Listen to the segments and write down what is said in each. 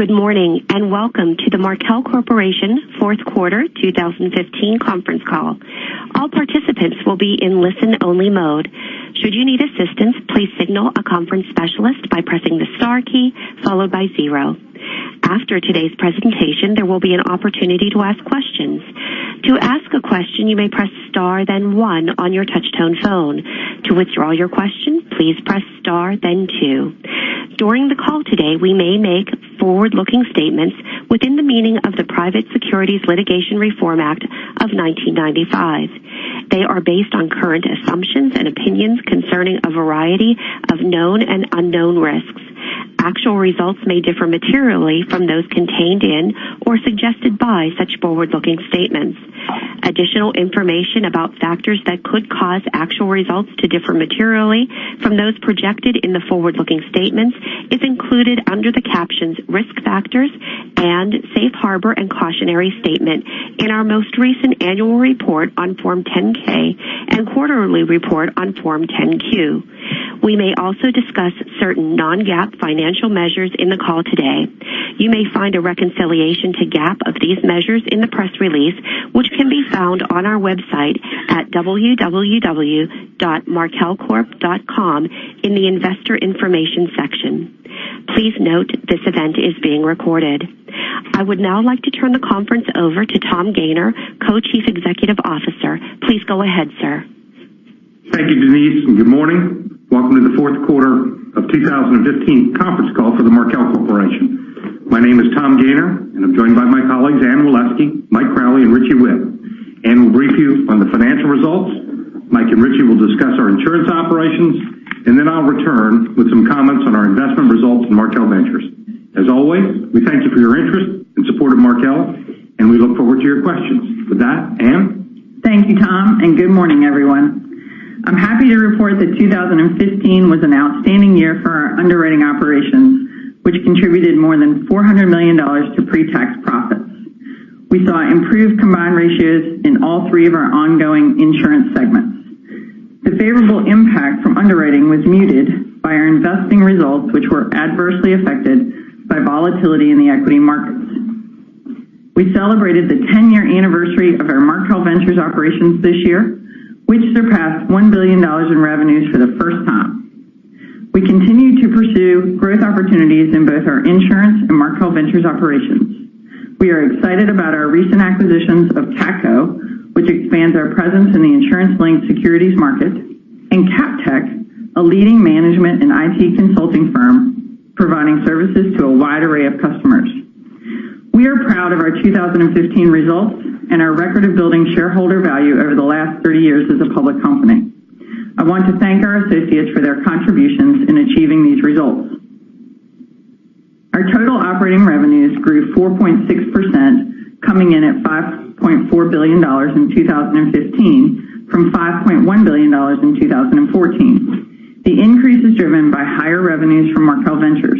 Good morning, and welcome to the Markel Corporation fourth quarter 2015 conference call. All participants will be in listen only mode. Should you need assistance, please signal a conference specialist by pressing the star key followed by zero. After today's presentation, there will be an opportunity to ask questions. To ask a question, you may press star then one on your touchtone phone. To withdraw your question, please press star then two. During the call today, we may make forward-looking statements within the meaning of the Private Securities Litigation Reform Act of 1995. They are based on current assumptions and opinions concerning a variety of known and unknown risks. Actual results may differ materially from those contained in or suggested by such forward-looking statements. Additional information about factors that could cause actual results to differ materially from those projected in the forward-looking statements is included under the captions "risk factors" and "safe harbor and cautionary statement" in our most recent annual report on Form 10-K and quarterly report on Form 10-Q. We may also discuss certain non-GAAP financial measures in the call today. You may find a reconciliation to GAAP of these measures in the press release, which can be found on our website at www.markelcorp.com in the investor information section. Please note this event is being recorded. I would now like to turn the conference over to Tom Gayner, Co-Chief Executive Officer. Please go ahead, sir. Thank you, Denise, and good morning. Welcome to the fourth quarter of 2015 conference call for the Markel Corporation. My name is Tom Gayner, and I'm joined by my colleagues Anne Waleski, Mike Crowley, and Richard Whitt. Anne will brief you on the financial results. Mike and Richard will discuss our insurance operations, and then I'll return with some comments on our investment results in Markel Ventures. As always, we thank you for your interest and support of Markel, and we look forward to your questions. With that, Anne? Thank you, Tom, and good morning, everyone. I'm happy to report that 2015 was an outstanding year for our underwriting operations, which contributed more than $400 million to pre-tax profits. We saw improved combined ratios in all three of our ongoing insurance segments. The favorable impact from underwriting was muted by our investing results, which were adversely affected by volatility in the equity markets. We celebrated the 10-year anniversary of our Markel Ventures operations this year, which surpassed $1 billion in revenues for the first time. We continue to pursue growth opportunities in both our insurance and Markel Ventures operations. We are excited about our recent acquisitions of CATCo, which expands our presence in the insurance linked securities market, and CapTech, a leading management and IT consulting firm providing services to a wide array of customers. We are proud of our 2015 results and our record of building shareholder value over the last 30 years as a public company. I want to thank our associates for their contributions in achieving these results. Our total operating revenues grew 4.6%, coming in at $5.4 billion in 2015 from $5.1 billion in 2014. The increase is driven by higher revenues from Markel Ventures.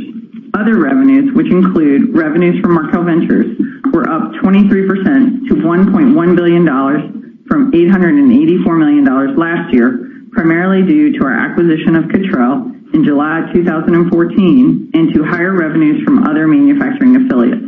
Other revenues, which include revenues from Markel Ventures, were up 23% to $1.1 billion from $884 million last year, primarily due to our acquisition of Cottrell in July 2014 and to higher revenues from other manufacturing affiliates.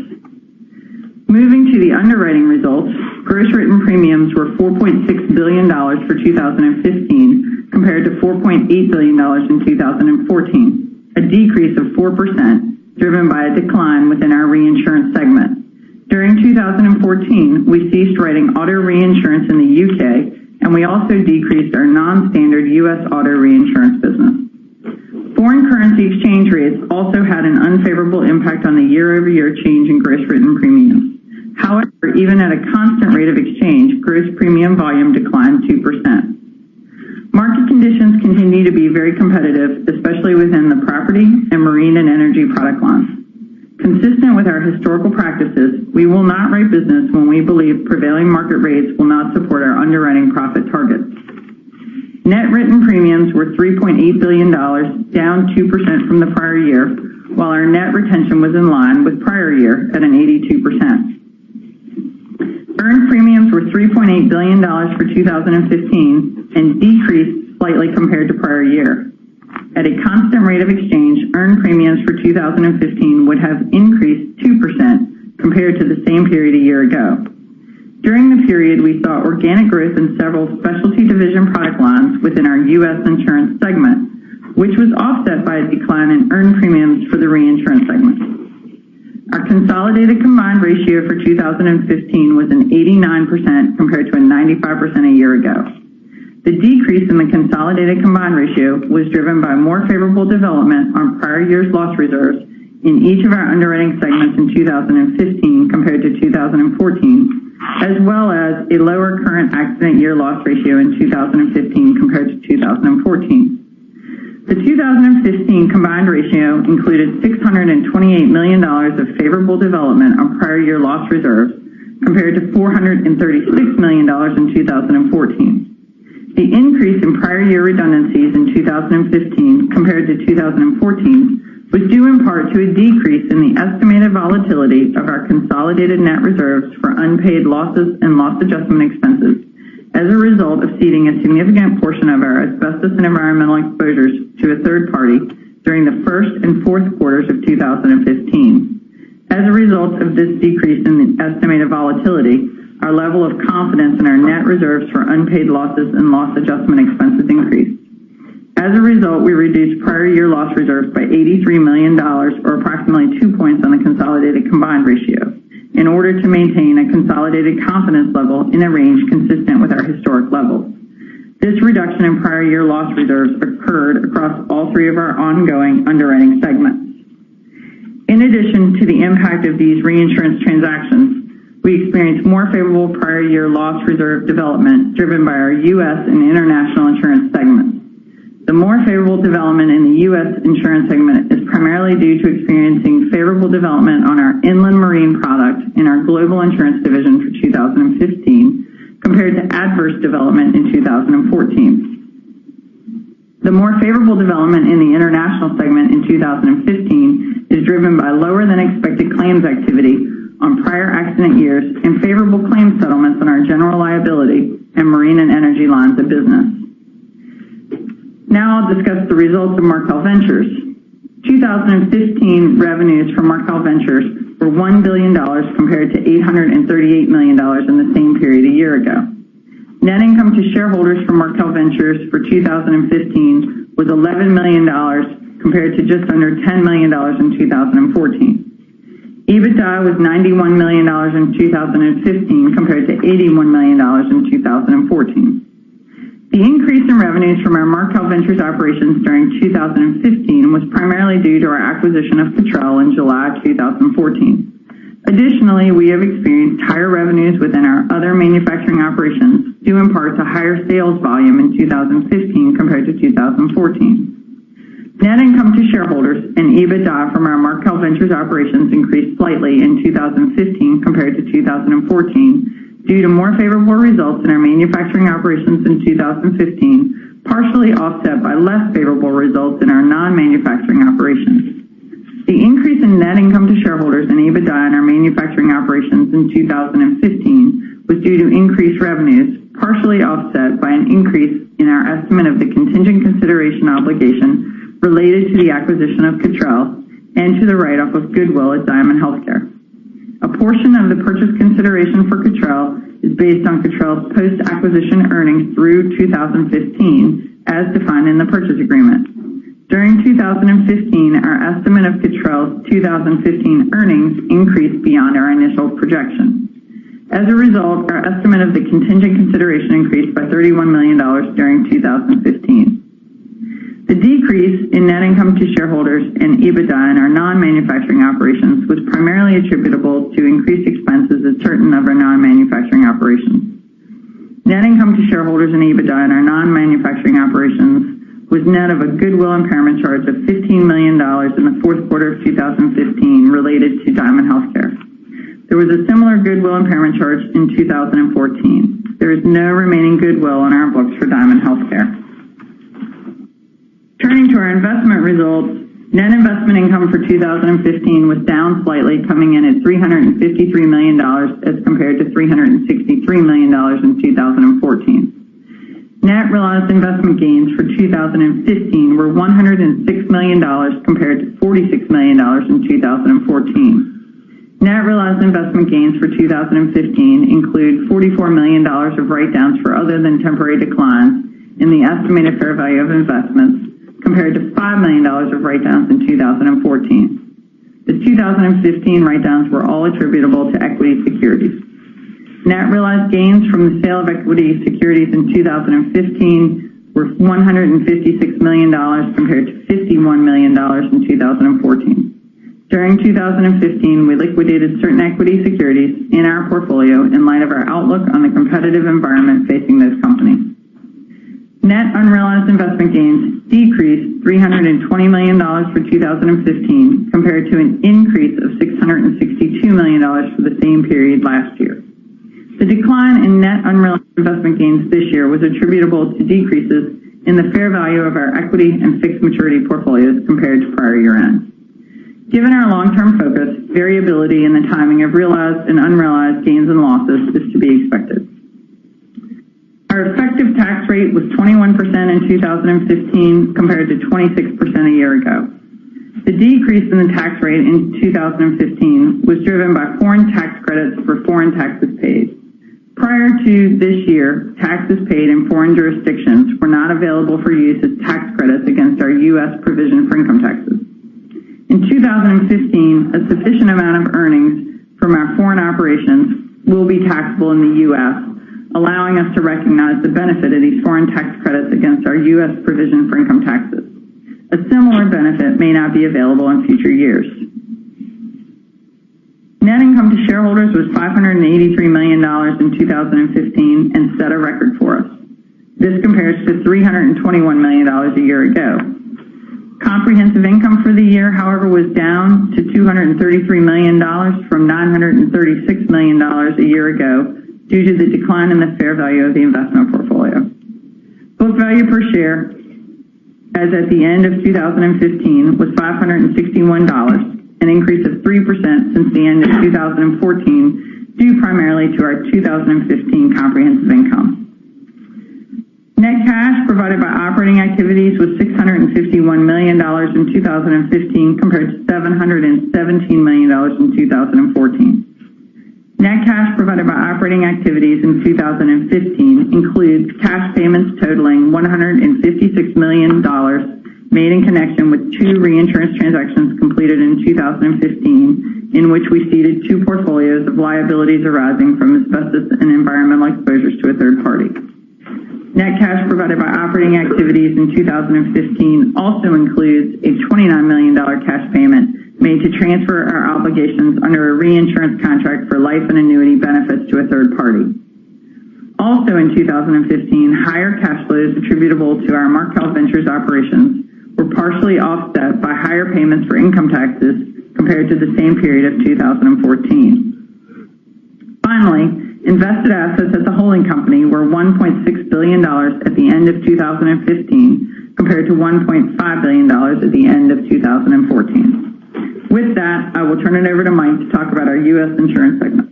Moving to the underwriting results, gross written premiums were $4.6 billion for 2015 compared to $4.8 billion in 2014, a decrease of 4% driven by a decline within our reinsurance segment. During 2014, we ceased writing auto reinsurance in the U.K. We also decreased our non-standard U.S. auto reinsurance business. Foreign currency exchange rates also had an unfavorable impact on the year-over-year change in gross written premiums. However, even at a constant rate of exchange, gross premium volume declined 2%. Market conditions continue to be very competitive, especially within the property and marine and energy product lines. Consistent with our historical practices, we will not write business when we believe prevailing market rates will not support our underwriting profit targets. Net written premiums were $3.8 billion, down 2% from the prior year, while our net retention was in line with prior year at an 82%. Earned premiums were $3.8 billion for 2015 and decreased slightly compared to prior year. At a constant rate of exchange, earned premiums for 2015 would have increased 2% compared to the same period a year ago. During the period, we saw organic growth in several specialty division product lines within our U.S. Insurance segment, which was offset by a decline in earned premiums for the reinsurance segment. Our consolidated combined ratio for 2015 was an 89% compared to a 95% a year ago. The decrease in the consolidated combined ratio was driven by more favorable development on prior year's loss reserves in each of our underwriting segments in 2015 compared to 2014, as well as a lower current accident year loss ratio in 2015 compared to 2014. The 2015 combined ratio included $628 million of favorable development on prior year loss reserves, compared to $436 million in 2014. The increase in prior year redundancies in 2015 compared to 2014 was due in part to a decrease in the estimated volatility of our consolidated net reserves for unpaid losses and loss adjustment expenses As a result of ceding a significant portion of our asbestos and environmental exposures to a third party during the first and fourth quarters of 2015. As a result of this decrease in the estimated volatility, our level of confidence in our net reserves for unpaid losses and loss adjustment expenses increased. As a result, we reduced prior year loss reserves by $83 million, or approximately two points on the consolidated combined ratio, in order to maintain a consolidated confidence level in a range consistent with our historic levels. This reduction in prior year loss reserves occurred across all three of our ongoing underwriting segments. In addition to the impact of these reinsurance transactions, we experienced more favorable prior year loss reserve development driven by our U.S. and international insurance segments. The more favorable development in the U.S. insurance segment is primarily due to experiencing favorable development on our inland marine product in our Global Insurance division for 2015, compared to adverse development in 2014. The more favorable development in the international segment in 2015 is driven by lower than expected claims activity on prior accident years and favorable claims settlements in our general liability in marine and energy lines of business. I'll discuss the results of Markel Ventures. 2015 revenues from Markel Ventures were $1 billion compared to $838 million in the same period a year ago. Net income to shareholders from Markel Ventures for 2015 was $11 million compared to just under $10 million in 2014. EBITDA was $91 million in 2015 compared to $81 million in 2014. The increase in revenues from our Markel Ventures operations during 2015 was primarily due to our acquisition of Cottrell in July 2014. Additionally, we have experienced higher revenues within our other manufacturing operations, due in part to higher sales volume in 2015 compared to 2014. Net income to shareholders and EBITDA from our Markel Ventures operations increased slightly in 2015 compared to 2014 due to more favorable results in our manufacturing operations in 2015, partially offset by less favorable results in our non-manufacturing operations. The increase in net income to shareholders and EBITDA in our manufacturing operations in 2015 was due to increased revenues, partially offset by an increase in our estimate of the contingent consideration obligation related to the acquisition of Cottrell and to the write-off of goodwill at Diamond Healthcare. A portion of the purchase consideration for Cottrell is based on Cottrell's post-acquisition earnings through 2015, as defined in the purchase agreement. During 2015, our estimate of Cottrell's 2015 earnings increased beyond our initial projection. As a result, our estimate of the contingent consideration increased by $31 million during 2015. The decrease in net income to shareholders and EBITDA in our non-manufacturing operations was primarily attributable to increased expenses at certain of our non-manufacturing operations. Net income to shareholders and EBITDA in our non-manufacturing operations was net of a goodwill impairment charge of $15 million in the fourth quarter of 2015 related to Diamond Healthcare. There was a similar goodwill impairment charge in 2014. There is no remaining goodwill on our books for Diamond Healthcare. Turning to our investment results, net investment income for 2015 was down slightly, coming in at $353 million as compared to $363 million in 2014. Net realized investment gains for 2015 were $106 million compared to $46 million in 2014. Net realized investment gains for 2015 include $44 million of write-downs for other than temporary declines in the estimated fair value of investments, compared to $5 million of write-downs in 2014. The 2015 write-downs were all attributable to equity securities. Net realized gains from the sale of equity securities in 2015 were $156 million, compared to $51 million in 2014. During 2015, we liquidated certain equity securities in our portfolio in light of our outlook on the competitive environment facing those companies. Net unrealized investment gains decreased $320 million for 2015 compared to an increase of $662 million for the same period last year. The decline in net unrealized investment gains this year was attributable to decreases in the fair value of our equity and fixed maturity portfolios compared to prior year-end. Given our long-term focus, variability in the timing of realized and unrealized gains and losses is to be expected. Our effective tax rate was 21% in 2015 compared to 26% a year ago. The decrease in the tax rate in 2015 was driven by foreign tax credits for foreign taxes paid. Prior to this year, taxes paid in foreign jurisdictions were not available for use as tax credits against our U.S. provision for income taxes. In 2015, a sufficient amount of earnings from our foreign operations will be taxable in the U.S., allowing us to recognize the benefit of these foreign tax credits against our U.S. provision for income taxes. A similar benefit may not be available in future years. Net income to shareholders was $583 million in 2015 and set a record for us. This compares to $321 million a year ago. Comprehensive income for the year, however, was down to $233 million from $936 million a year ago due to the decline in the fair value of the investment portfolio. Book value per share as at the end of 2015 was $561, an increase of 3% since the end of 2014, due primarily to our 2015 comprehensive income. Net cash provided by operating activities was $651 million in 2015, compared to $717 million in 2014. Net cash provided by operating activities in 2015 includes cash payments totaling $156 million made in connection with two reinsurance transactions completed in 2015, in which we ceded two portfolios of liabilities arising from asbestos and environmental exposures to a third party. Net cash provided by operating activities in 2015 also includes a $29 million cash payment made to transfer our obligations under a reinsurance contract for life and annuity benefits to a third party. Also in 2015, higher cash flows attributable to our Markel Ventures operations were partially offset by higher payments for income taxes compared to the same period of 2014. Finally, invested assets at the holding company were $1.6 billion at the end of 2015 compared to $1.5 billion at the end of 2014. With that, I will turn it over to Mike to talk about our U.S. Insurance segment.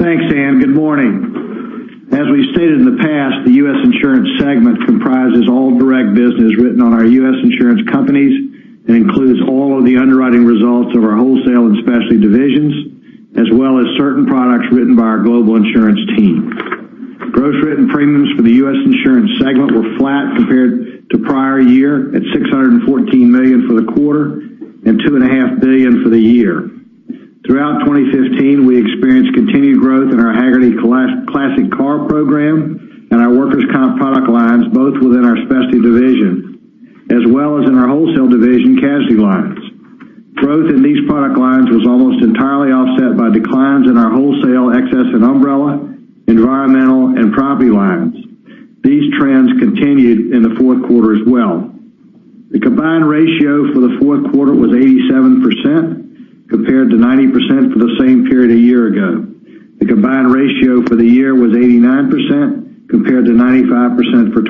Thanks, Anne. Good morning. As we've stated in the past, the U.S. Insurance segment comprises all direct business written on our U.S. insurance companies and includes all of the underwriting results of our Wholesale and Markel Specialty divisions, as well as certain products written by our Global Insurance team. Gross written premiums for the U.S. Insurance segment were flat compared to prior year at $614 million for the quarter and $2.5 billion for the year. Throughout 2015, we experienced continued growth in our Hagerty Classic Car program and our workers' comp product lines, both within our Markel Specialty division, as well as in our Wholesale division casualty lines. Growth in these product lines was almost entirely offset by declines in our Wholesale excess and umbrella, environmental, and property lines. These trends continued in the fourth quarter as well. The combined ratio for the fourth quarter was 87% compared to 90% for the same period a year ago. The combined ratio for the year was 89% compared to 95% for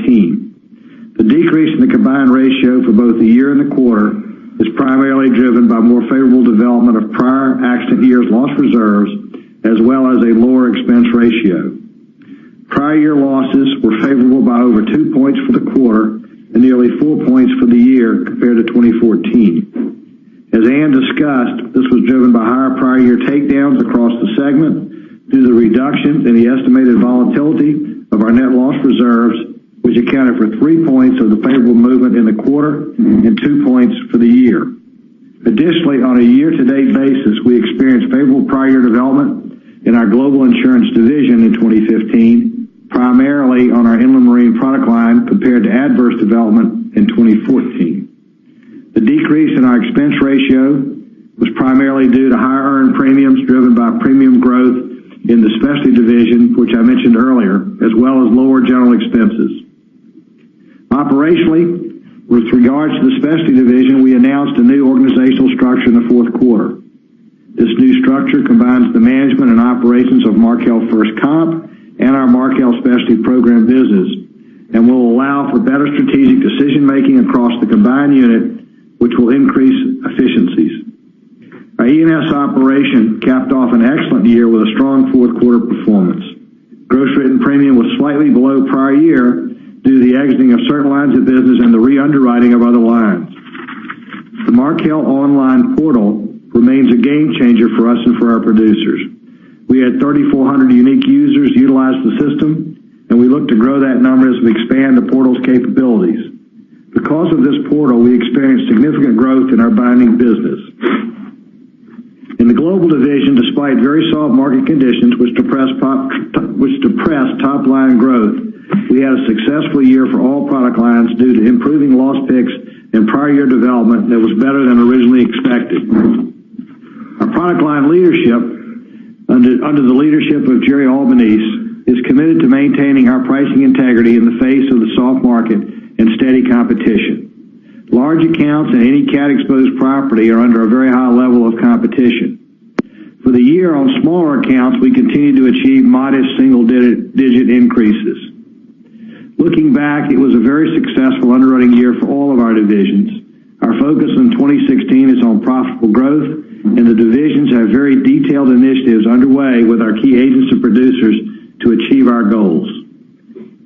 2014. The decrease in the combined ratio for both the year and the quarter is primarily driven by more favorable development of prior accident years' loss reserves, as well as a lower expense ratio. Prior year losses were favorable by over two points for the quarter and nearly four points for the year compared to 2014. As Anne discussed, this was driven by higher prior year takedowns across the segment due to the reduction in the estimated volatility of our net loss reserves, which accounted for three points of the favorable movement in the quarter and two points for the year. Additionally, on a year-to-date basis, we experienced favorable prior year development in our Global Insurance division in 2015, primarily on our inland marine product line, compared to adverse development in 2014. The decrease in our expense ratio was primarily due to higher earned premiums driven by premium growth in the Markel Specialty division, which I mentioned earlier, as well as lower general expenses. Operationally, with regards to the Markel Specialty division, we announced a new organizational structure in the fourth quarter. This new structure combines the management and operations of Markel FirstComp and our Markel Specialty Program business and will allow for better strategic decision-making across the combined unit, which will increase efficiencies. Our E&S operation capped off an excellent year with a strong fourth-quarter performance. Gross written premium was slightly below prior year due to the exiting of certain lines of business and the re-underwriting of other lines. The Markel online portal remains a game changer for us and for our producers. We had 3,400 unique users utilize the system, and we look to grow that number as we expand the portal's capabilities. Because of this portal, we experienced significant growth in our binding business. In the Global division, despite very soft market conditions which depressed top-line growth, we had a successful year for all product lines due to improving loss picks and prior year development that was better than originally expected. Our product line leadership under the leadership of Gerry Albanese, is committed to maintaining our pricing integrity in the face of the soft market and steady competition. Large accounts and any cat-exposed property are under a very high level of competition. For the year on smaller accounts, we continued to achieve modest single-digit increases. Looking back, it was a very successful underwriting year for all of our divisions. Our focus in 2016 is on profitable growth. The divisions have very detailed initiatives underway with our key agents and producers to achieve our goals.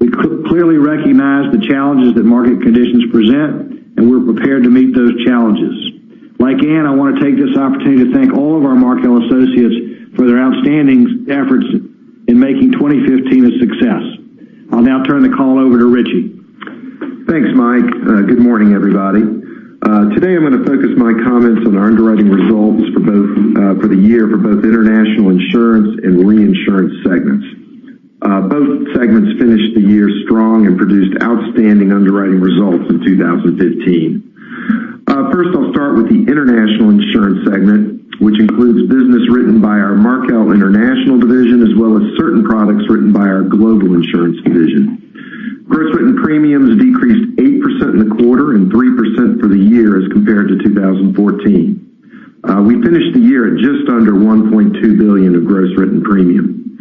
We clearly recognize the challenges that market conditions present. We're prepared to meet those challenges. Like Anne, I want to take this opportunity to thank all of our Markel associates for their outstanding efforts in making 2015 a success. I'll now turn the call over to Richie. Thanks, Mike. Good morning, everybody. Today, I'm going to focus my comments on our underwriting results for the year for both International Insurance and Reinsurance segments. Both segments finished the year strong, produced outstanding underwriting results in 2015. First, I'll start with the International Insurance segment, which includes business written by our Markel International division, as well as certain products written by our Global Insurance division. Gross written premiums decreased 8% in the quarter and 3% for the year as compared to 2014. We finished the year at just under $1.2 billion of gross written premium.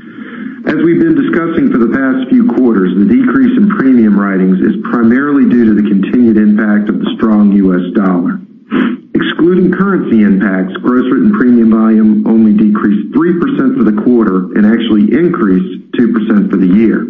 As we've been discussing for the past few quarters, the decrease in premium writings is primarily due to the continued impact of the strong U.S. dollar. Excluding currency impacts, gross written premium volume only decreased 3% for the quarter and actually increased 2% for the year.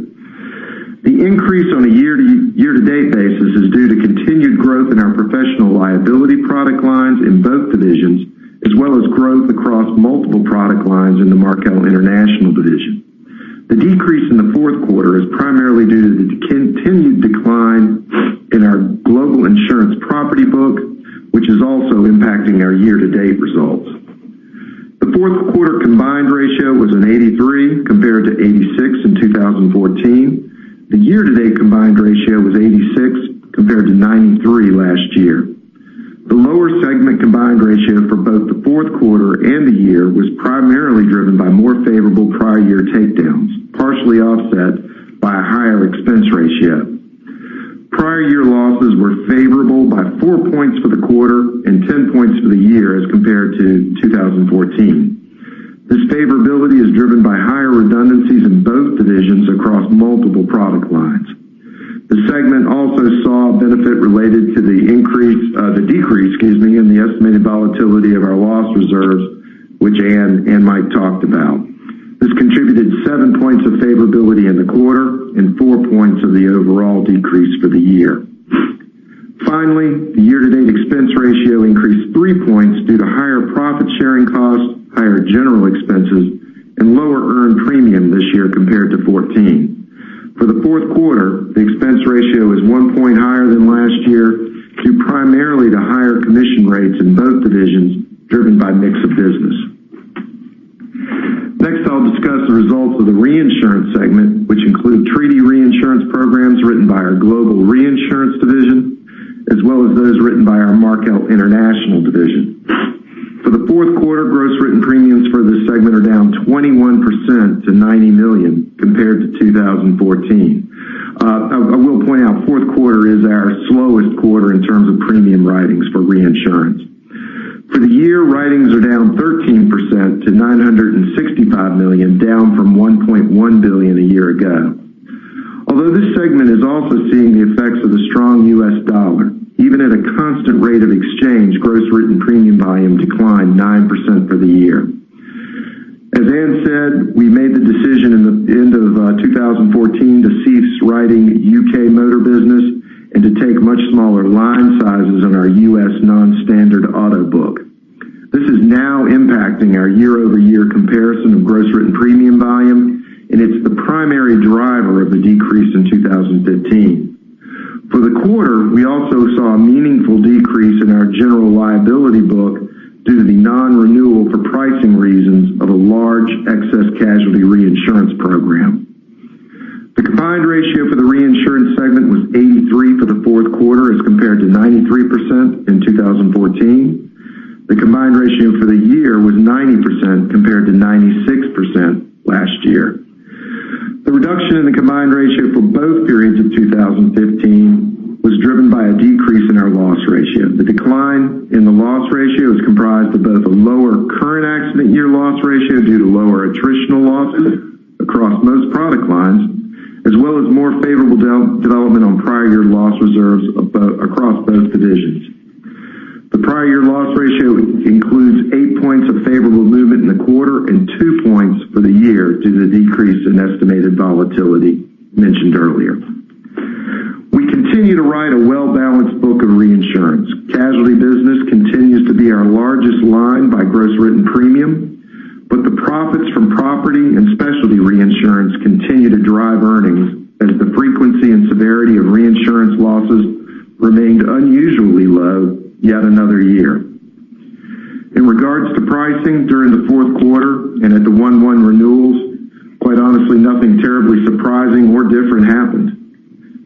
The increase on a year-to-date basis is due to continued growth in our professional liability product lines in both divisions, as well as growth across multiple product lines in the Markel International division. The decrease in the fourth quarter is primarily due to the continued decline in our Global Insurance property book, which is also impacting our year-to-date results. The fourth quarter combined ratio was an 83 compared to 86 in 2014. The year-to-date combined ratio was 86 compared to 93 last year. The lower segment combined ratio for both the fourth quarter and the year was primarily driven by more favorable prior year takedowns, partially offset by a higher expense ratio. Prior year losses were favorable by four points for the quarter and 10 points for the year as compared to 2014. This favorability is driven by higher redundancies in both divisions across multiple product lines. The segment also saw a benefit related to the decrease in the estimated volatility of our loss reserves, which Anne and Mike talked about. This contributed seven points of favorability in the quarter and four points of the overall decrease for the year. Finally, the year-to-date expense ratio increased three points due to higher profit-sharing costs, higher general expenses, and lower earned premium this year compared to 2014. For the fourth quarter, the expense ratio is one point higher than last year due primarily to higher commission rates in both divisions driven by mix of business. Next, I'll discuss the results of the Reinsurance segment, which include treaty reinsurance programs written by our global reinsurance division, as well as those written by our Markel International division. For the fourth quarter, gross written premiums for this segment are down 21% to $90 million compared to 2014. I will point out, fourth quarter is our slowest quarter in terms of premium writings for reinsurance. For the year, writings are down 13% to $965 million, down from $1.1 billion a year ago. Although this segment is also seeing the effects of the strong U.S. dollar, even at a constant rate of exchange, gross written premium volume declined 9% for the year. As Anne said, we made the decision in the end of 2014 to cease writing U.K. motor business and to take much smaller line sizes on our U.S. non-standard auto book. This is now impacting our year-over-year comparison of gross written premium volume, and it's the primary driver of the decrease in 2015. For the quarter, we also saw a meaningful decrease in our general liability book due to the non-renewal for pricing reasons of a large excess casualty reinsurance program. The combined ratio for the reinsurance segment was 83% for the fourth quarter as compared to 93% in 2014. The combined ratio for the year was 90% compared to 96% last year. The reduction in the combined ratio for both periods of 2015 was driven by a decrease in our loss ratio. The decline in the loss ratio is comprised of both a lower current accident year loss ratio due to lower attritional losses across most product lines, as well as more favorable development on prior year loss reserves across both divisions. The prior year loss ratio includes eight points of favorable movement in the quarter and two points for the year due to the decrease in estimated volatility mentioned earlier. We continue to write a well-balanced book of reinsurance. Casualty business continues to be our largest line by gross written premium, but the profits from property and specialty reinsurance continue to drive earnings as the frequency and severity of reinsurance losses remained unusually low yet another year. In regards to pricing during the fourth quarter and at the 1/1 renewals, quite honestly, nothing terribly surprising or different happened.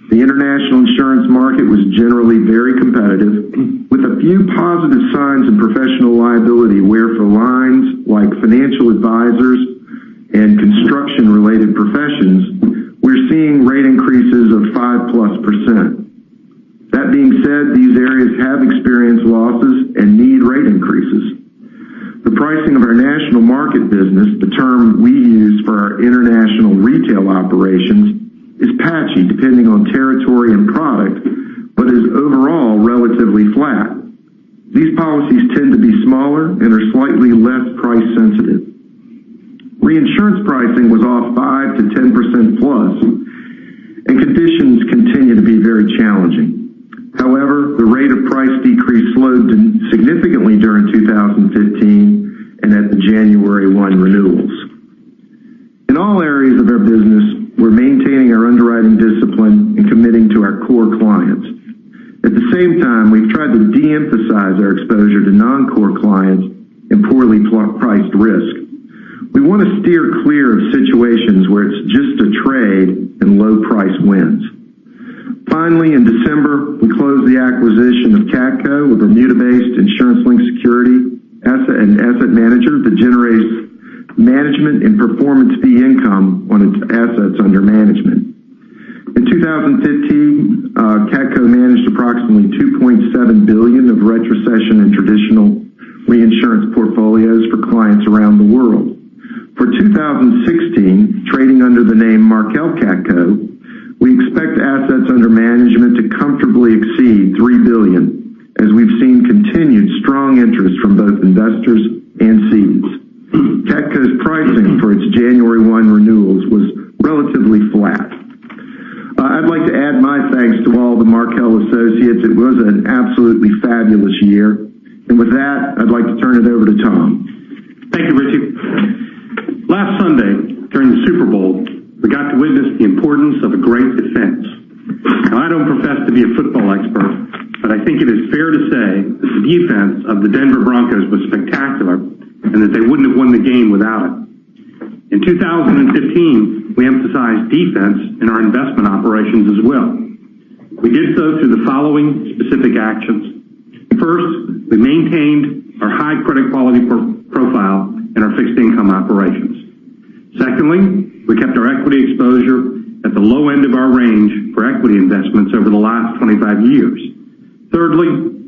The international insurance market was generally very competitive with a few positive signs in professional liability, where for lines like financial advisors and construction related professions, we're seeing rate increases of five plus percent. That being said, these areas have experienced losses and need rate increases. The pricing of our national market business, the term we use for our international retail operations, is patchy depending on territory and product, but is overall relatively flat. These policies tend to be smaller and are slightly less price sensitive. Reinsurance pricing was off 5%-10% plus, and conditions continue to be very challenging. However, the rate of price decrease slowed significantly during 2015 and at the January 1 renewals. In all areas of our business, we're maintaining our underwriting discipline and committing to our core clients. At the same time, we've tried to de-emphasize our exposure to non-core clients and poorly priced risk. We want to steer clear of situations where it's just a trade and low price wins. Finally, in December, we closed the acquisition of CATCo, a Bermuda-based insurance-linked security and asset manager that generates management and performance fee income on its assets under management. In 2015, CATCo managed approximately $2.7 billion of retrocession in traditional reinsurance portfolios for clients around the world. For 2016, trading under the name Markel CATCo, we expect assets under management to comfortably exceed $3 billion, as we've seen continued strong interest from both investors and cedes. CATCo's pricing for its January 1 renewals was relatively flat. I'd like to add my thanks to all the Markel associates. It was an absolutely fabulous year. With that, I'd like to turn it over to Tom. Thank you, Richie. Last Sunday, during the Super Bowl, we got to witness the importance of a great defense. I don't profess to be a football expert, but I think it is fair to say that the defense of the Denver Broncos was spectacular, and that they wouldn't have won the game without it. In 2015, we emphasized defense in our investment operations as well. We did so through the following specific actions. First, we maintained our high credit quality profile in our fixed income operations. Secondly, we kept our equity exposure at the low end of our range for equity investments over the last 25 years. Thirdly,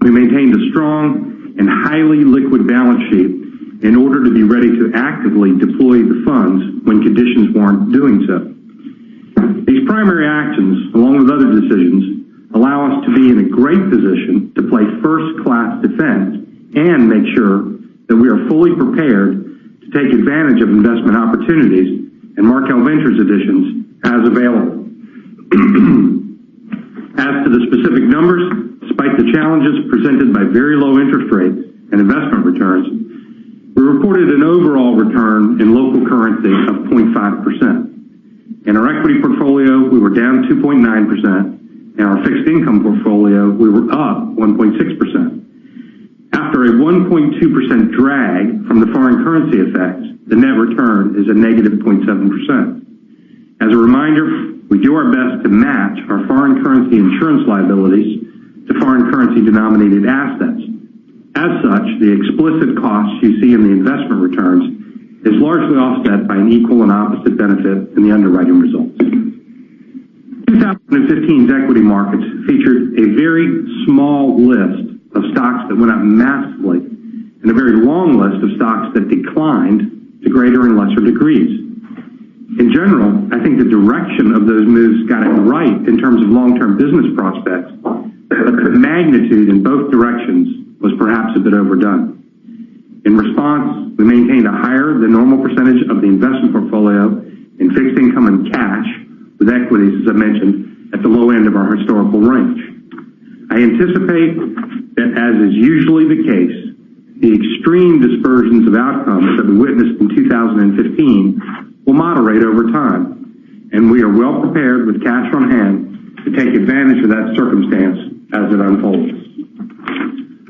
we maintained a strong and highly liquid balance sheet in order to be ready to actively deploy the funds when conditions warrant doing so. These primary actions, along with other decisions, allow us to be in a great position to play first-class defense and make sure that we are fully prepared to take advantage of investment opportunities and Markel Ventures additions as available. As to the specific numbers, despite the challenges presented by very low interest rates and investment returns, we reported an overall return in local currency of 0.5%. In our equity portfolio, we were down 2.9%, in our fixed income portfolio, we were up 1.6%. After a 1.2% drag from the foreign currency effect, the net return is a negative 0.7%. As a reminder, we do our best to match our foreign currency insurance liabilities to foreign currency denominated assets. As such, the explicit costs you see in the investment returns is largely offset by an equal and opposite benefit in the underwriting results. 2015's equity markets featured a very small list of stocks that went up massively and a very long list of stocks that declined to greater and lesser degrees. In general, I think the direction of those moves got it right in terms of long-term business prospects, but the magnitude in both directions was perhaps a bit overdone. In response, we maintained a higher than normal percentage of the investment portfolio in fixed income and cash with equities, as I mentioned, at the low end of our historical range. I anticipate that, as is usually the case, the extreme dispersions of outcomes that we witnessed in 2015 will moderate over time, and we are well prepared with cash on hand to take advantage of that circumstance as it unfolds.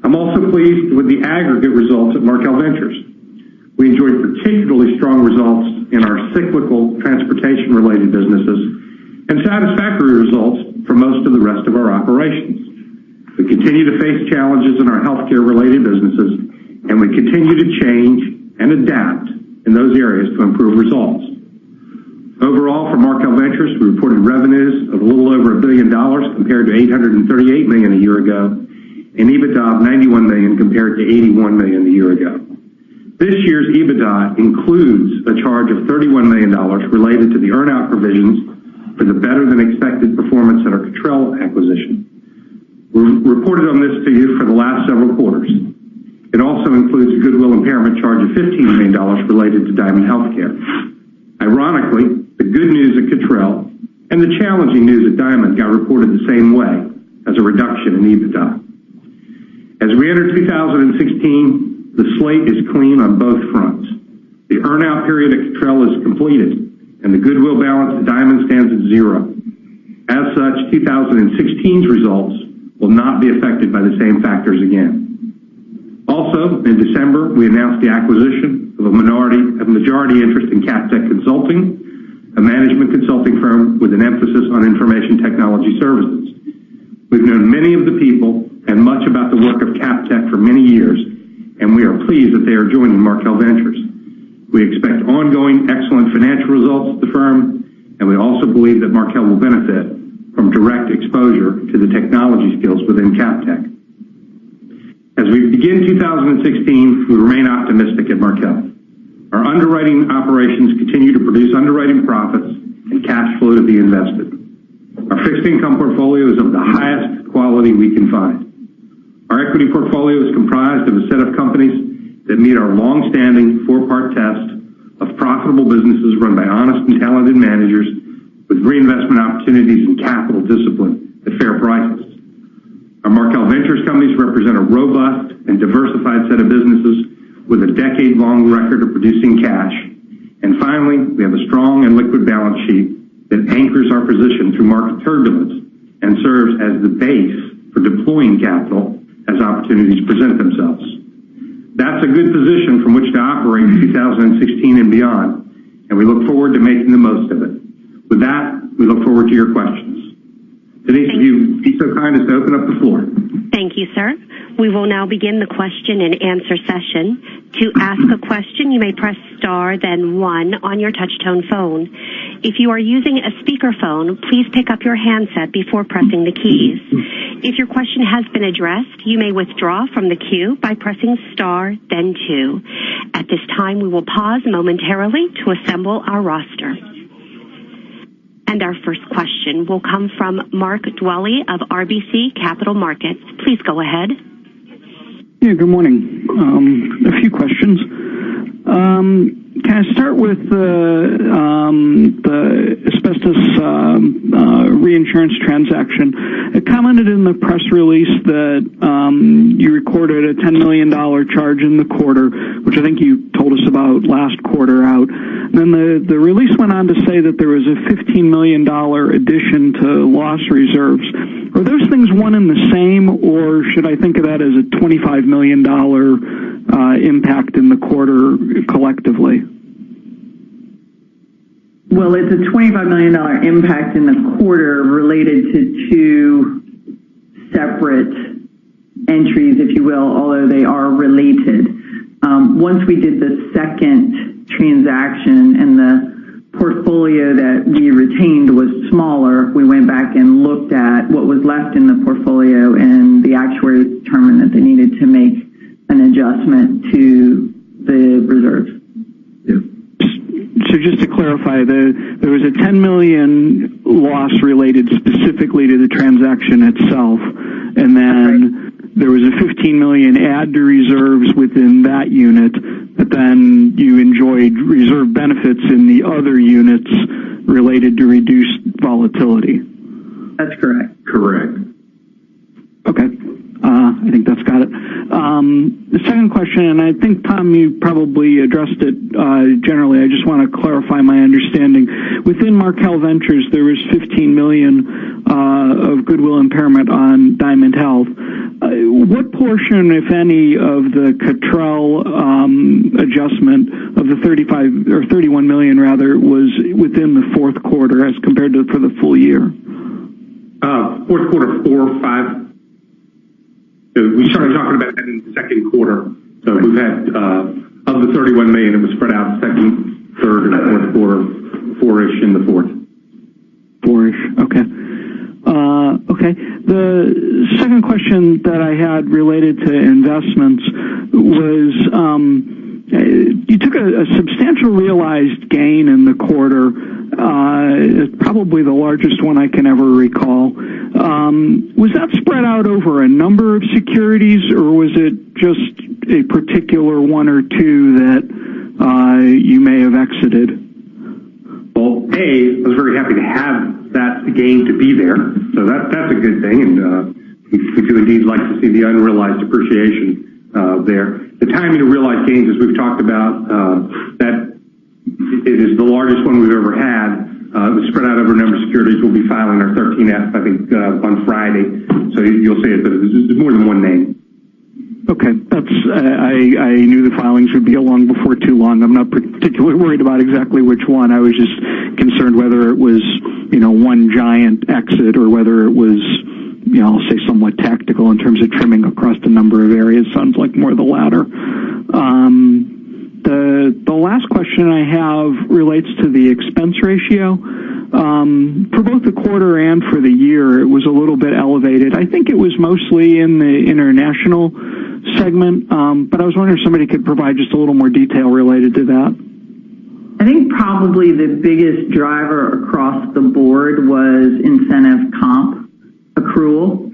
I'm also pleased with the aggregate results of Markel Ventures. We enjoyed particularly strong results in our cyclical transportation related businesses and satisfactory results for most of the rest of our operations. We continue to face challenges in our healthcare related businesses, and we continue to change and adapt in those areas to improve results. Overall, for Markel Ventures, we reported revenues of a little over $1 billion compared to $838 million a year ago, and EBITDA of $91 million compared to $81 million a year ago. This year's EBITDA includes a charge of $31 million related to the earn-out provisions for the better-than-expected performance at our Cottrell acquisition. We reported on this to you for the last several quarters. It also includes a goodwill impairment charge of $15 million related to Diamond Healthcare. Ironically, the good news at Cottrell and the challenging news at Diamond got reported the same way as a reduction in EBITDA. As we enter 2016, the slate is clean on both fronts. The earn-out period at Cottrell is completed, and the goodwill balance at Diamond stands at zero. As such, 2016's results will not be affected by the same factors again. In December, we announced the acquisition of a majority interest in CapTech Consulting, a management consulting firm with an emphasis on information technology services. We've known many of the people and much about the work of CapTech for many years, and we are pleased that they are joining Markel Ventures. We expect ongoing excellent financial results at the firm, and we also believe that Markel will benefit from direct exposure to the technology skills within CapTech. As we begin 2016, we remain optimistic at Markel. Our underwriting operations continue to produce underwriting profits and cash flow to be invested. Our fixed income portfolio is of the highest quality we can find. Our equity portfolio is comprised of a set of companies that meet our longstanding four-part test of profitable businesses run by honest and talented managers with reinvestment opportunities and capital discipline at fair prices. Our Markel Ventures companies represent a robust and diversified set of businesses with a decade-long record of producing cash. Finally, we have a strong and liquid balance sheet that anchors our position through market turbulence and serves as the base for deploying capital as opportunities present themselves. That's a good position from which to operate in 2016 and beyond. We look forward to making the most of it. With that, we look forward to your questions Denise, if you'd be so kind as to open up the floor. Thank you, sir. We will now begin the question and answer session. To ask a question, you may press star then one on your touch-tone phone. If you are using a speakerphone, please pick up your handset before pressing the keys. If your question has been addressed, you may withdraw from the queue by pressing star then two. At this time, we will pause momentarily to assemble our roster. Our first question will come from Mark Dwelle of RBC Capital Markets. Please go ahead. Yeah, good morning. A few questions. Can I start with the asbestos reinsurance transaction? It commented in the press release that you recorded a $10 million charge in the quarter, which I think you told us about last quarter out. The release went on to say that there was a $15 million addition to loss reserves. Are those things one and the same, or should I think of that as a $25 million impact in the quarter collectively? Well, it's a $25 million impact in the quarter related to two separate entries, if you will, although they are related. Once we did the second transaction and the portfolio that we retained was smaller, we went back and looked at what was left in the portfolio, and the actuaries determined that they needed to make an adjustment to the reserves. Just to clarify, there was a $10 million loss related specifically to the transaction itself. That's right there was a $15 million add to reserves within that unit. You enjoyed reserve benefits in the other units Okay. I knew the filings would be along before too long. I'm not particularly worried about exactly which one. I was just concerned whether it was one giant exit or whether it was, I'll say somewhat tactical in terms of trimming across the number of areas. Sounds like more the latter. The last question I have relates to the expense ratio. For both the quarter and for the year, it was a little bit elevated. I think it was mostly in the international segment. I was wondering if somebody could provide just a little more detail related to that. I think probably the biggest driver across the board was incentive comp accrual.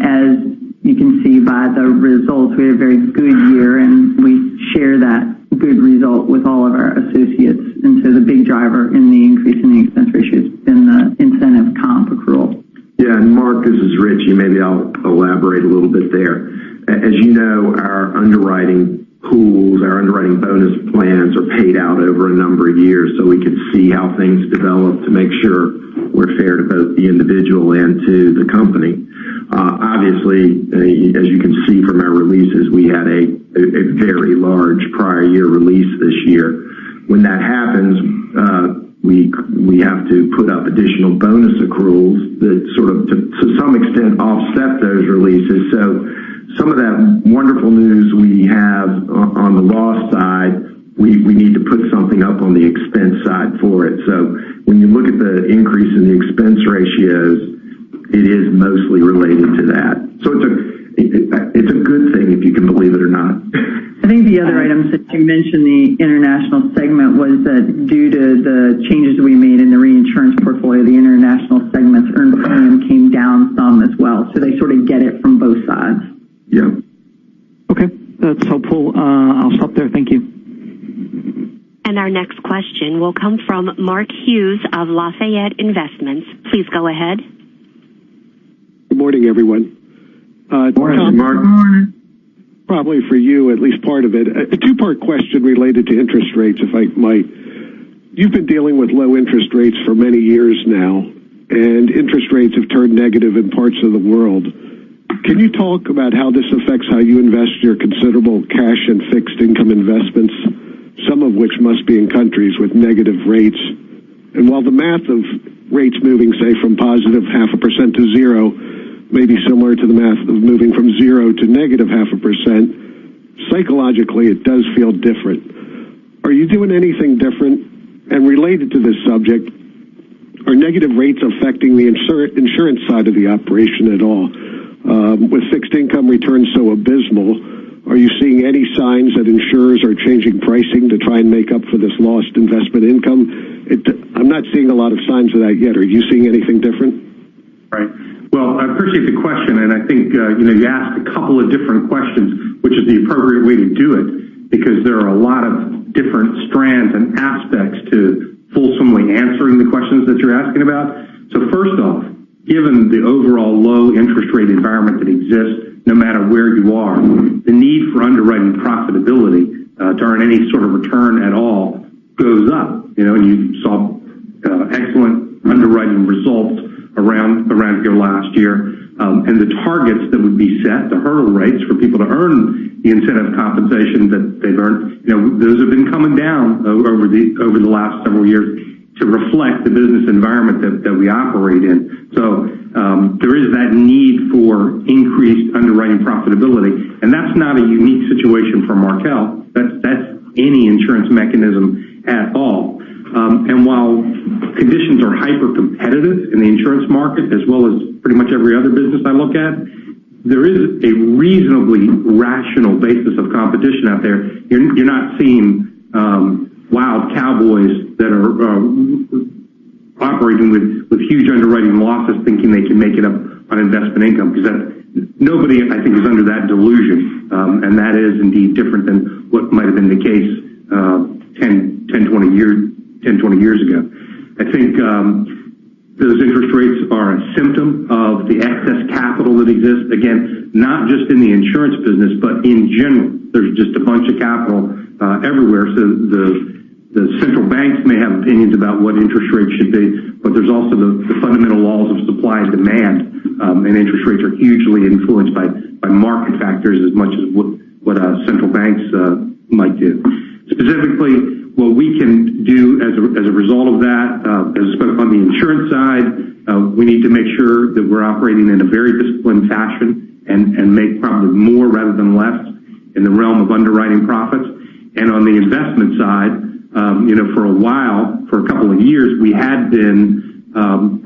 As you can see by the results, we had a very good year, and we share that good result with all of our associates. The big driver in the increase in the expense ratio has been the incentive comp accrual. Mark, this is Rich. Maybe I'll elaborate a little bit there. As you know, our underwriting pools, our underwriting bonus plans are paid out over a number of years, so we can see how things develop to make sure we're fair to both the individual and to the company. Obviously, as you can see from our releases, we had a very large prior year release this year. When that happens, we have to put up additional bonus accruals that to some extent, offset those releases. Some of that wonderful news we have on the loss side, we need to put something up on the expense side for it. When you look at the increase in the expense ratios, it is mostly related to that. It's a good thing, if you can believe it or not. I think the other item, since you mentioned the international segment, was that due to the changes we made in the reinsurance portfolio, the international segment's earned premium came down some as well. They sort of get it from both sides. Yeah. That's helpful. I'll stop there. Thank you. Our next question will come from Mark Hughes of Lafayette Investments. Please go ahead. Good morning, everyone. Morning, Mark. Good morning. Probably for you, at least part of it. A two-part question related to interest rates, if I might. You've been dealing with low interest rates for many years now, and interest rates have turned negative in parts of the world. Can you talk about how this affects how you invest your considerable cash and fixed income investments? Some of which must be in countries with negative rates. While the math of rates moving, say, from positive 0.5% to zero may be similar to the math of moving from zero to negative 0.5%, psychologically it does feel different. Are you doing anything different? Related to this subject, are negative rates affecting the insurance side of the operation at all? With fixed income returns so abysmal, are you seeing any signs that insurers are changing pricing to try and make up for this lost investment income? I'm not seeing a lot of signs of that yet. Are you seeing anything different? Right. Well, I appreciate the question, and I think you asked a couple of different questions, which is the appropriate way to do it, because there are a lot of different strands and aspects to fulsomely answering the questions that you're asking about. First off, given the overall low interest rate environment that exists, no matter where you are, the need for underwriting profitability to earn any sort of return at all goes up. You saw excellent underwriting results around last year. The targets that would be set, the hurdle rates for people to earn the incentive compensation that they've earned, those have been coming down over the last several years to reflect the business environment that we operate in. There is that need for increased underwriting profitability, and that's not a unique situation for Markel. That's any insurance mechanism at all. While conditions are hypercompetitive in the insurance market, as well as pretty much every other business I look at, there is a reasonably rational basis of competition out there. You're not seeing wild cowboys that are operating with huge underwriting losses thinking they can make it up on investment income, because nobody, I think, is under that delusion. That is indeed different than what might have been the case 10, 20 years ago. I think those interest rates are a symptom of the excess capital that exists, again, not just in the insurance business, but in general. There's just a bunch of capital everywhere. The central banks may have opinions about what interest rates should be, but there's also the fundamental laws of supply and demand, and interest rates are hugely influenced by market factors as much as what central banks might do. Specifically, what we can do as a result of that, as I spoke upon the insurance side, we need to make sure that we're operating in a very disciplined fashion, and make probably more rather than less in the realm of underwriting profits. On the investment side, for a while, for a couple of years, we had been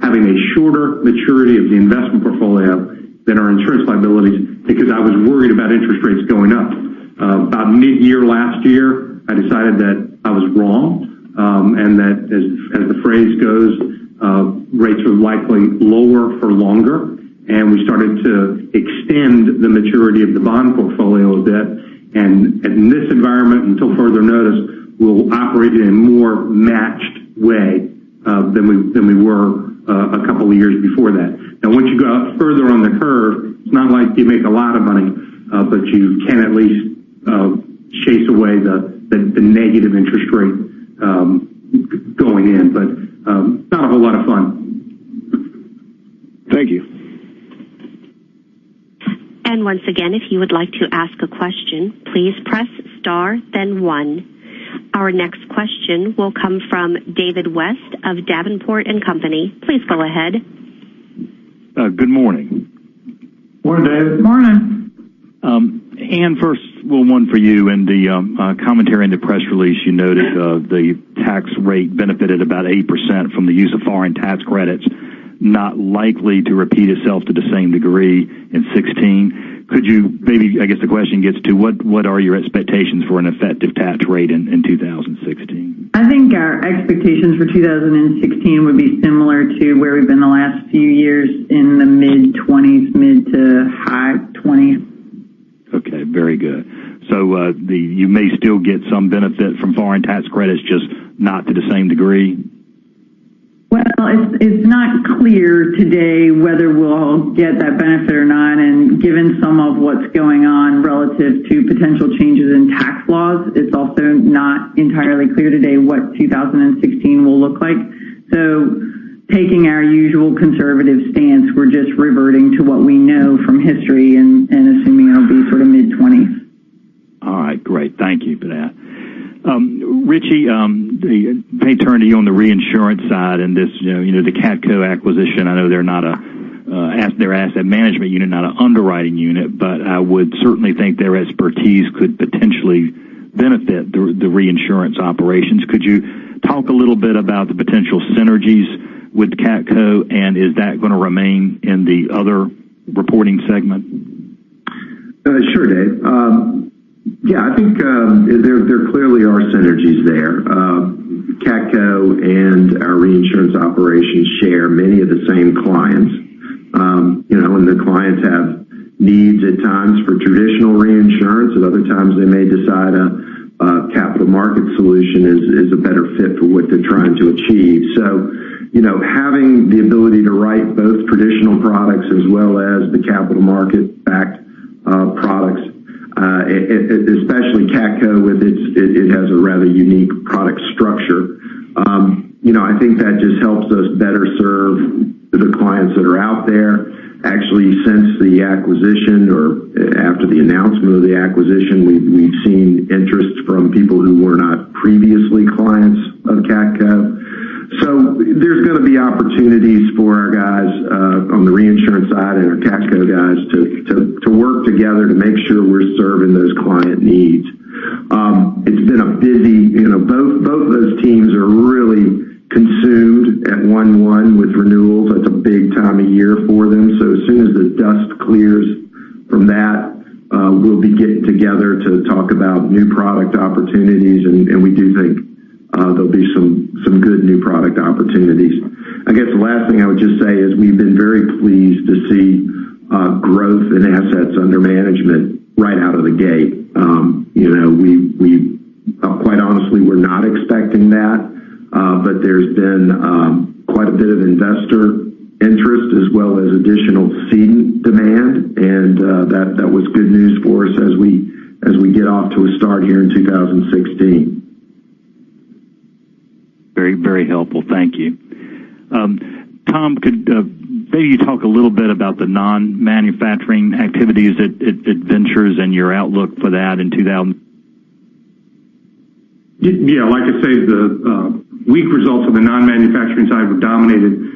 having a shorter maturity of the investment portfolio than our insurance liabilities because I was worried about interest rates going up. About mid-year last year, I decided that I was wrong, and that as the phrase goes, rates are likely lower for longer, and we started to extend the maturity of the bond portfolio a bit. In this environment, until further notice, we'll operate in a more matched way than we were a couple of years before that. Once you go out further on the curve, it's not like you make a lot of money, but you can at least chase away the negative interest rate going in. Not a whole lot of fun. Thank you. Once again, if you would like to ask a question, please press star then one. Our next question will come from David West of Davenport & Company. Please go ahead. Good morning. Morning, Dave. Morning. Anne, first, well, one for you. In the commentary in the press release, you noted the tax rate benefited about 8% from the use of foreign tax credits, not likely to repeat itself to the same degree in 2016. Could you maybe, I guess the question gets to what are your expectations for an effective tax rate in 2016? I think our expectations for 2016 would be similar to where we've been the last few years in the mid 20s, mid to high 20s. Okay, very good. You may still get some benefit from foreign tax credits, just not to the same degree? Well, it's not clear today whether we'll get that benefit or not, given some of what's going on relative to potential changes in tax laws, it's also not entirely clear today what 2016 will look like. Taking our usual conservative stance, we're just reverting to what we know from history and assuming it'll be sort of mid-20s. All right, great. Thank you for that. Richie Whitt, may turn to you on the reinsurance side and the CATCo acquisition. I know they're an asset management unit, not an underwriting unit, I would certainly think their expertise could potentially benefit the reinsurance operations. Could you talk a little bit about the potential synergies with CATCo, is that going to remain in the other reporting segment? Sure, Dave. Yeah, I think there clearly are synergies there. CATCo and our reinsurance operations share many of the same clients. When the clients have needs at times for traditional reinsurance, at other times they may decide a capital market solution is a better fit for what they're trying to achieve. Having the ability to write both traditional products as well as the capital market-backed products, especially CATCo, it has a rather unique product structure I think that just helps us better serve the clients that are out there. Actually, since the acquisition or after the announcement of the acquisition, we've seen interest from people who were not previously clients of CATCo. There's going to be opportunities for our guys on the reinsurance side and our CATCo guys to work together to make sure we're serving those client needs. Both of those teams are really consumed at one-one with renewals. That's a big time of year for them. As soon as the dust clears from that, we'll be getting together to talk about new product opportunities, and we do think there'll be some good new product opportunities. I guess the last thing I would just say is we've been very pleased to see growth in assets under management right out of the gate. Quite honestly, we're not expecting that, there's been quite a bit of investor interest as well as additional seed demand, that was good news for us as we get off to a start here in 2016. Very helpful. Thank you. Tom, could maybe you talk a little bit about the non-manufacturing activities at Ventures and your outlook for that in 2016? Yeah. Like I say, the weak results of the non-manufacturing side were dominated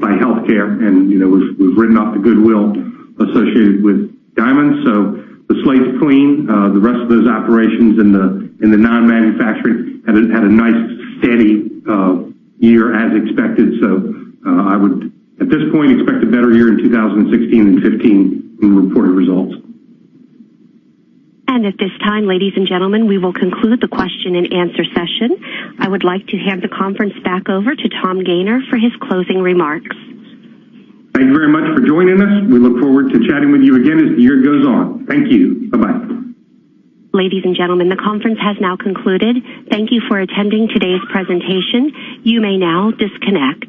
by healthcare, we've written off the goodwill associated with Diamond. The slate's clean. The rest of those operations in the non-manufacturing had a nice steady year as expected. I would, at this point, expect a better year in 2016 than 2015 when we report our results. At this time, ladies and gentlemen, we will conclude the question and answer session. I would like to hand the conference back over to Tom Gayner for his closing remarks. Thank you very much for joining us. We look forward to chatting with you again as the year goes on. Thank you. Bye-bye. Ladies and gentlemen, the conference has now concluded. Thank you for attending today's presentation. You may now disconnect.